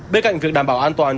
bên cạnh việc đảm bảo an toàn